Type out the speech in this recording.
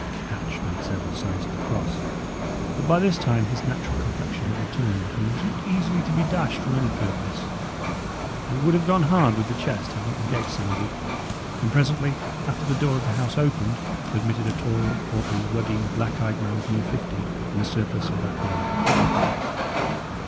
Hatch made several signs of the cross; but by this time his natural complexion had returned, and he was not easily to be dashed from any purpose. It would have gone hard with the chest had not the gate sounded, and presently after the door of the house opened and admitted a tall, portly, ruddy, black eyed man of near fifty, in a surplice and black robe.